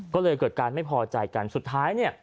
ก็เลยเกิดการไม่พอใจกันสุดท้ายเนี่ย